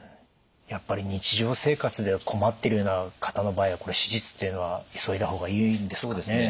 やっぱり日常生活で困ってるような方の場合は手術っていうのは急いだ方がいいんですかね？